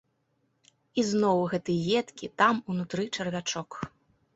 І зноў гэты едкі там, унутры, чарвячок.